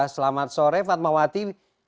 selamat sore fatmawati